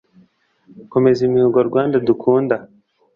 komeza imihigo rwanda dukunda